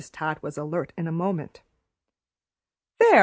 Todd was alert in a moment. "There!